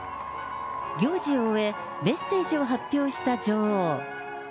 行事を終え、メッセージを発表した女王。